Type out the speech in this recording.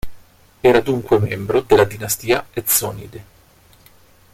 Era dunque membro della dinastia Ezzonide.